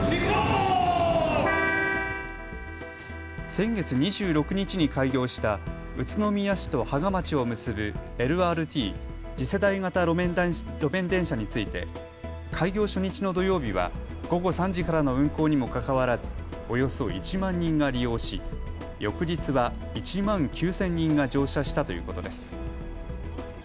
先月２６日に開業した宇都宮市と芳賀町を結ぶＬＲＴ・次世代型路面電車について開業初日の土曜日は午後３時からの運行にもかかわらずおよそ１万人が利用し翌日は１万９０００人が乗車したということです。